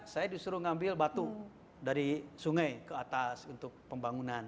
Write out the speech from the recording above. saya disuruh ngambil batu dari sungai ke atas untuk pembangunan